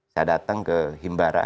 saya datang ke himbara